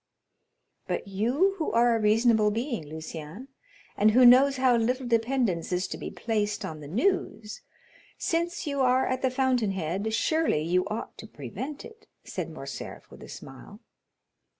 "But you who are a reasonable being, Lucien, and who knows how little dependence is to be placed on the news, since you are at the fountain head, surely you ought to prevent it," said Morcerf, with a smile.